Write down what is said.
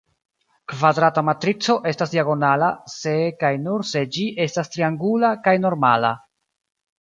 Kvadrata matrico estas diagonala se kaj nur se ĝi estas triangula kaj normala.